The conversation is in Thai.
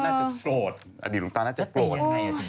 หลุงตาก็น่าจะโกรธอดีตหลุงตาน่าจะโกรธ